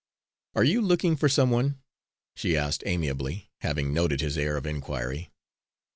"Are you looking for some one?" she asked amiably, having noted his air of inquiry.